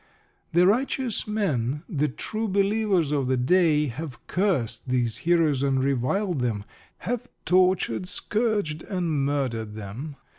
The righteous men, the "True Believers" of the day, have cursed these heroes and reviled them, have tortured, scourged, or murdered them.